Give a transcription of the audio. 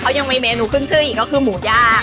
เขายังมีเมนูขึ้นชื่ออีกก็คือหมูย่าง